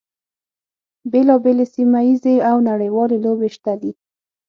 بیلا بېلې سیمه ییزې او نړیوالې لوبې شته دي.